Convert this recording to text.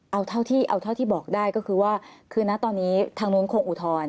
เอาเท่าที่บอกได้ก็คือว่าคือนะตอนนี้ทางนู้นคงอุทธรณ์